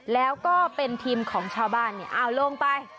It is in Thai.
แล้วก็เป็นทีมของชาวบ้านเนี่ยเอาลงไป